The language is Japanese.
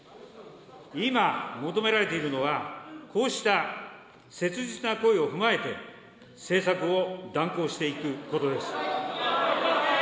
今、求められているのは、こうした切実な声を踏まえて、政策を断行していくことです。